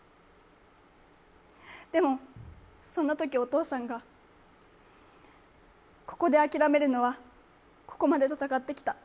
でも、そんなときお父さんが、ここで諦めるのはここまで戦ってきた